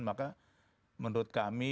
maka menurut kami